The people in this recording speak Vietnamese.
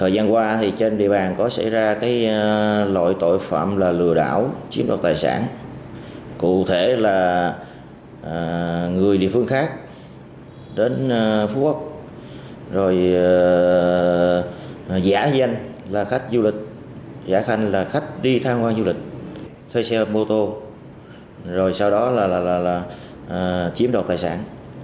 điện hình là khách đi tham quan du lịch thuê xe mô tô rồi sau đó là chiếm đoạt tài sản